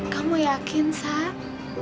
kamu yakin sat